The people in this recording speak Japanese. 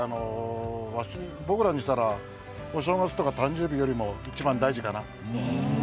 僕らにしたらお正月や、誕生日よりも一番大事かな。